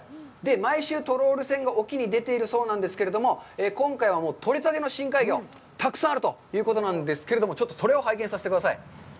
毎週、トロール船が沖に出ているそうなんですけども、今回は取れたての深海魚、たくさんあるということなんですけれども、ちょっとそれを拝見させてください。